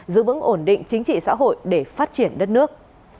giữ vững ổn định chính trị xã hội để phát triển đất nước